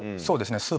そうですね。